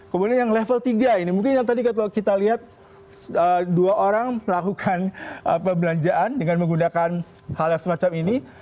kemudian yang level tiga ini mungkin yang tadi kalau kita lihat dua orang melakukan perbelanjaan dengan menggunakan hal yang semacam ini